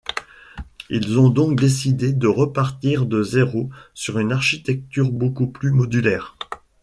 Ils ont donc décidé de repartir de zéro sur une architecture beaucoup plus modulaire.